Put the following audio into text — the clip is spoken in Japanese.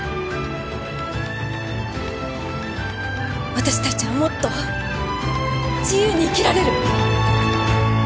私たちはもっと自由に生きられる。